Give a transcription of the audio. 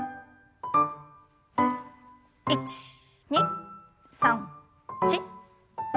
１２３４。